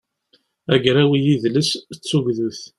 agraw i yidles d tugdut